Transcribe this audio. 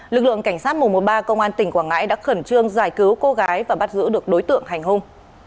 lực lượng cảnh sát một trăm một mươi ba công an tỉnh quảng ngãi đã khẩn trương giải cứu cô gái và bắt giữ được đối tượng hành hung